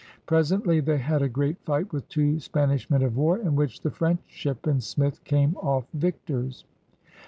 Presently they had a great fight with two Spanish men of war, in which the French ship and Smith came off victors.